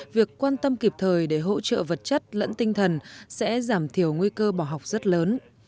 việc quan tâm kịp thời để hỗ trợ vật chất lẫn tinh thần sẽ giảm thiểu nguy cơ bỏ học rất lớn